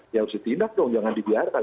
ya harus ditindak dong jangan dibiarkan